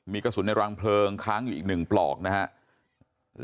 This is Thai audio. มีกระสุนในรังเพลิงค้างอยู่อีก๑ปลอกนะครับ